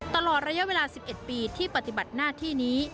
ตลอดระยะเวลา๑๑ปีที่ปฏิบัติหน้าที่นี้